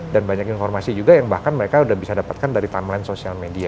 dan banyak informasi juga yang bahkan mereka udah bisa dapatkan dari timeline social media